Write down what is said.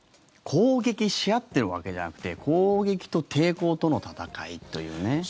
攻撃し合っているわけじゃなくて攻撃と抵抗との戦いというね。